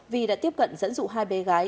vy đã tiếp cận dẫn dụ hai bé gái